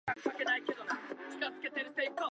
ヴォクリューズ県の県都はアヴィニョンである